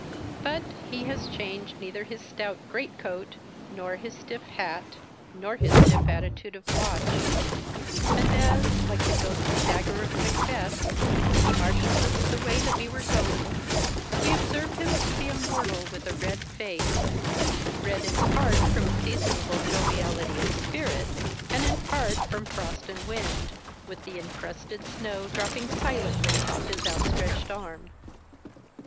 But, he has changed neither his stout great coat, nor his stiff hat, nor his stiff attitude of watch ; and as (like the ghostly dagger of Macbeth) he marshals us the way that we were going, we observe him to be a mortal with a red face — red, in part from a seasonable joviality of spirit, and in part from frost and wind — with the encrusted snow dropping silently off his outstretched arm.